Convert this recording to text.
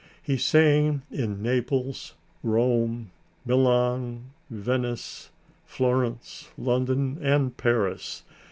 He sang in Naples, Rome, Milan, Venice, Florence, London and Paris.